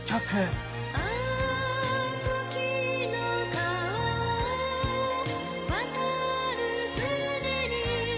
「ああ時の河を渡る船に」